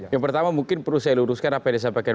yang pertama mungkin perlu saya luruskan apa yang disampaikan